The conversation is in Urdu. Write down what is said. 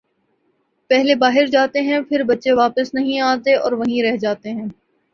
پہلے باہر جا تے ہیں پھر بچے واپس نہیں آتے اور وہیں رہ جاتے ہیں